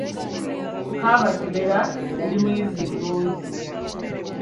Kaba Kimera yali muyizzi mulungi.